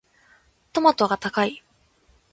トマトが高い。